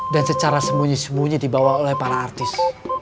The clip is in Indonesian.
secara sembunyi sembunyi dibawa oleh para artis